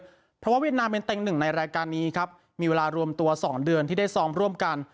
เพราะว่าเวียดนามเป็นเต็งหนึ่งในรายการนี้ครับมีเวลารวมตัว๒เดือนที่ได้ซ้อมร่วมกัน